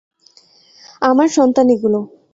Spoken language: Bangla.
আমার সন্তান এগুলো।